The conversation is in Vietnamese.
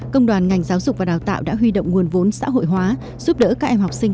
công đoàn ngành giáo dục và đào tạo đã huy động nguồn vốn xã hội hóa giúp đỡ các em học sinh